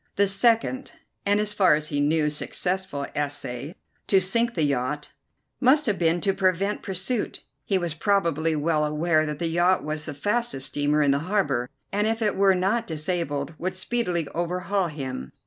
The second, and, as far as he knew, successful, essay to sink the yacht, must have been to prevent pursuit. He was probably well aware that the yacht was the fastest steamer in the harbour, and, if it were not disabled, would speedily overhaul him.